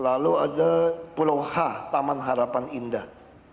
lalu ada pulau h taman harapan indah